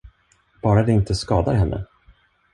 Bara det inte skadar henne?